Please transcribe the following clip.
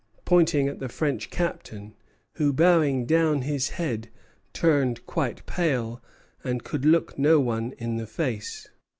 pointing at the French captain; who, bowing down his head, turned quite pale, and could look no one in the face.